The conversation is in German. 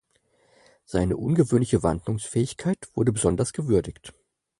Seine ungewöhnliche Wandlungsfähigkeit wurde besonders gewürdigt.